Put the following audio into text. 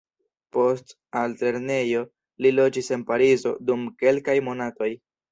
Post altlernejo, li loĝis en Parizo dum kelkaj monatoj.